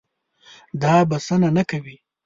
دا بسنه نه کوي.